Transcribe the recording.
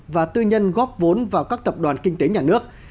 và tư nhân góp vốn vào các tập đoàn kinh tế nhà nước